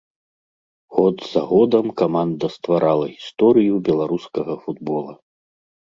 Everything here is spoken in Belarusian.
Год за годам каманда стварала гісторыю беларускага футбола.